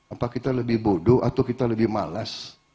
apakah kita lebih bodoh atau kita lebih malas